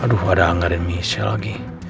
aduh ada angga dan michelle lagi